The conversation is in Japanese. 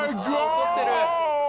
怒ってる。